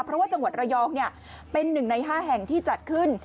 เพราะว่าจังหวัดระยองเป็น๑ใน๕แห่งที่จัดขึ้น